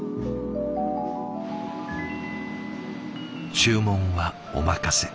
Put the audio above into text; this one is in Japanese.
注文はお任せ。